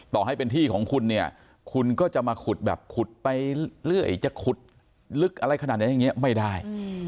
ต่อให้เป็นที่ของคุณเนี่ยคุณก็จะมาขุดแบบขุดไปเรื่อยจะขุดลึกอะไรขนาดไหนอย่างนี้ไม่ได้